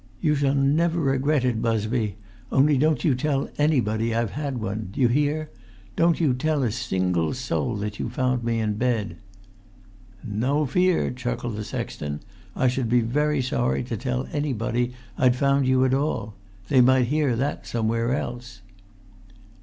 You shall never regret it, Busby; only don't you tell anybody I've had one—do you hear? Don't you tell a single soul that you found me in bed!" "No fear," chuckled the sexton. "I should be very sorry to tell anybody I'd found you at all. They might hear o' that somewhere else!"